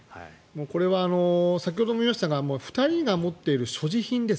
これは先ほども言いましたが２人が持っている所持品